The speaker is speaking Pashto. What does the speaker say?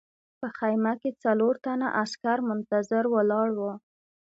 په خیمه کې څلور تنه عسکر منتظر ولاړ وو